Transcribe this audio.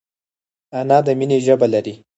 انا د مینې ژبه لري